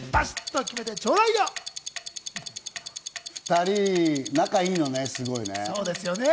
２人、仲いいのね、すごい。